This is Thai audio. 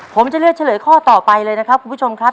ผมจะเลือกเฉลยข้อต่อไปเลยนะครับคุณผู้ชมครับ